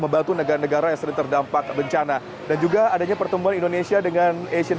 membantu negara negara yang sering terdampak bencana dan juga adanya pertemuan indonesia dengan asian